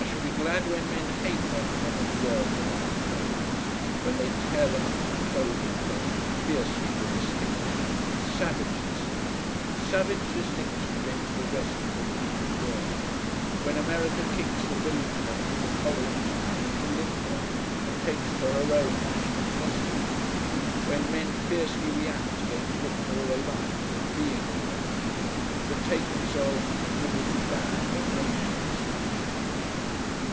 I shall be glad when men hate their common, world alike clothes, when they tear them up and clothe themselves fiercely for distinction, savage distinction, savage distinction against the rest of the creeping world: when America kicks the billy cock and the collar and tie into limbo, and takes to her own national costume: when men fiercely react against looking all alike and being all alike, and betake themselves into vivid clan or nation distinctions.